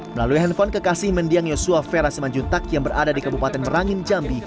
melalui handphone kekasih mendiang yosua vera simanjuntak yang berada di kabupaten merangin jambi